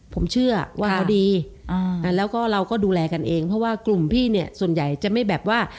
ผมเชื่อว่าเขาดีแล้วก็เราก็ดูแลกันเองเพราะว่ากลุ่มพี่เนี่ยส่วนใหญ่จะไม่แบบว่า